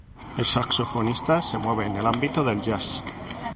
Es saxofonista, se mueve en el ámbito del jazz.